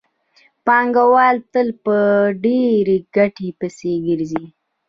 پانګوال تل په ډېرې ګټې پسې ګرځي